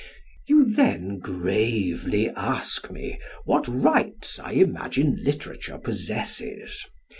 You then gravely ask me what rights I imagine literature possesses.